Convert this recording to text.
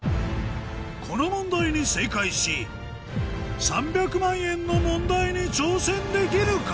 この問題に正解し３００万円の問題に挑戦できるか？